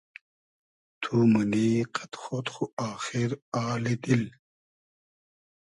تو مونی قئد خۉد خو آخیر آلی دیل